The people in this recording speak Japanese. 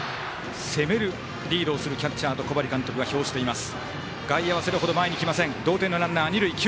攻めるリードをするキャッチャーと小針監督が評しています。